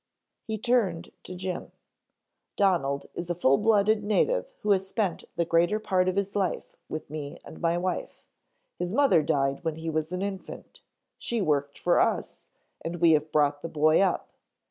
He turned to Jim. "Donald is a full blooded native who has spent the greater part of his life with me and my wife. His mother died when he was an infant, she worked for us and we have brought the boy up.